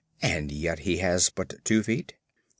(And yet he has but 2 feet.)